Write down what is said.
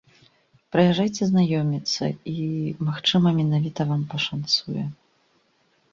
Прыязджайце знаёміцца, і, магчыма, менавіта вам пашанцуе!